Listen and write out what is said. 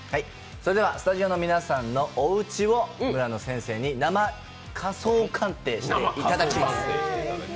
スタジオの皆さんのおうちを村野先生に生家相鑑定していただきます。